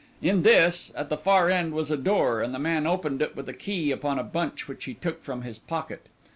In this, at the far end, was a door, and the man opened it with a key upon a bunch which he took from his pocket.